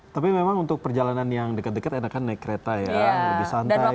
tapi memang untuk perjalanan yang dekat dekat enak kan naik kereta ya lebih santai bisa menikmati